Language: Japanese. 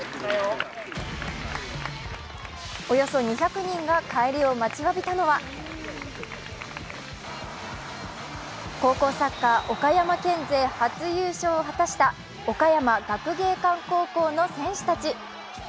およそ２００人が帰りを待ちわびたのは高校サッカー岡山県勢初優勝を果たした岡山学芸館高校の選手たち。